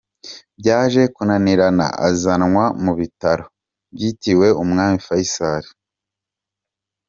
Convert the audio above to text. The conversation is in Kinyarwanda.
Byaje kunanirana azanwa mu bitaro byitiriwe Umwami Faisal.